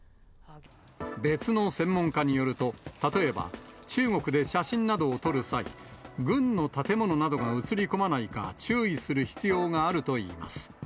別の専門家によると、例えば、中国で写真などを撮る際、軍の建物などが写り込まないか、注意する必要があるといいます。